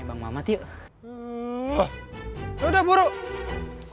ya udah buruk